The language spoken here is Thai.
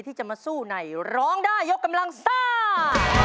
ที่จะมาสู้ในร้องได้ยกกำลังซ่า